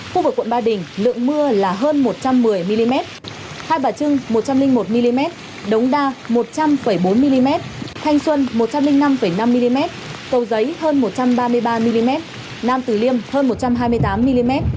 khu vực quận ba đình lượng mưa là hơn một trăm một mươi mm hai bà trưng một trăm linh một mm đống đa một trăm linh bốn mm thanh xuân một trăm linh năm năm mm cầu giấy hơn một trăm ba mươi ba mm nam tử liêm hơn một trăm hai mươi tám mm